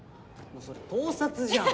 それ盗撮じゃん！